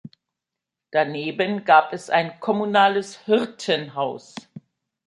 Daneben gab es ein kommunales Hirtenhaus.